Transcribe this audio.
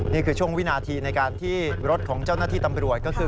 นี่คือช่วงวินาทีในการที่รถของเจ้าหน้าที่ตำรวจก็คือ